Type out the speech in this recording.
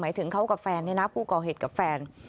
ถึงเขากับแฟนเนี่ยนะผู้ก่อเหตุกับแฟน